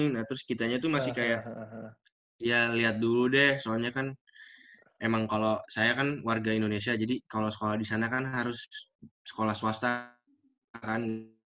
iya terus kitanya tuh masih kayak ya liat dulu deh soalnya kan emang kalo saya kan warga indonesia jadi kalo sekolah disana kan harus sekolah swasta kan